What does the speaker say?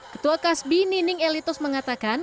ketua kasbi nining elitus mengatakan